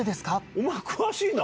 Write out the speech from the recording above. お前詳しいな。